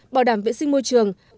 bảo đảm vệ sinh môi trường